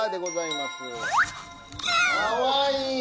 かわいい！